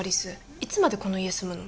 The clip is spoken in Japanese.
いつまでこの家住むの？